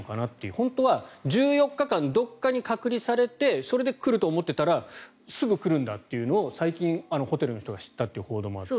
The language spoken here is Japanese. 本当は１４日間どこかに隔離されてそれで来ると思っていたらすぐ来るんだというのを最近ホテルの人が知ったという報道もあった。